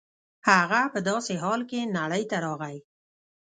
هغه په داسې حال کې نړۍ ته راغی